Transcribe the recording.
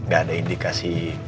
gak ada indikasi